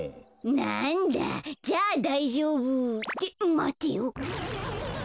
なんだじゃあだいじょうぶ！ってまてよ。